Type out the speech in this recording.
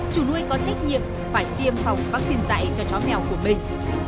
chủ nuôi có trách nhiệm phải tiêm phòng vắc xin dạy cho chó mèo của mình